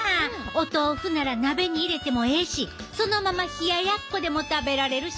お豆腐なら鍋に入れてもええしそのまま冷ややっこでも食べられるしな。